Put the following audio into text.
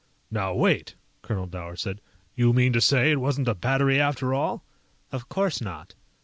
"Now wait " Colonel Dower said. "You mean to say it wasn't a battery after all?" "Of course not."